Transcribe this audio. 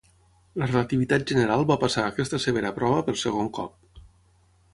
La relativitat general va passar aquesta severa prova per segon cop.